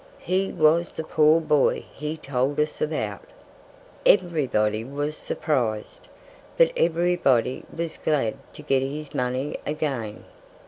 He was the poor boy he told us about." Everybody was surprised. But everybody was glad to get his money again.